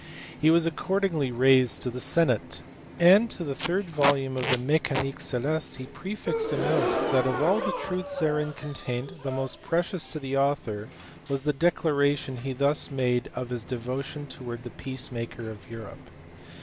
He was accordingly raised to the senate, and to the third volume of the Mecanique celeste he prefixed a note that of all the truths therein contained the most precious to the author was the declaration he thus made of his devotion towards the peace maker of Europe.